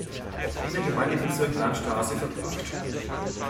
Wiener Gemeindebezirk, Landstraße, verbracht.